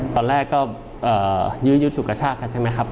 ตอนแรกก็ยื้อยุทธ์สุขชาติใช่ไหมครับ